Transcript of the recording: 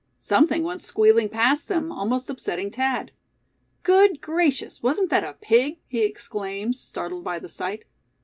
Something went squealing past them, almost upsetting Thad. "Good gracious, wasn't that a pig?" he exclaimed, startled by the sight.